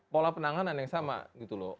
pola penanganan yang sama gitu loh